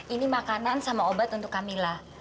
ini makanan sama obat untuk camilla